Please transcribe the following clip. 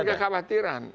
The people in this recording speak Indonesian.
enggak bukan kekhawatiran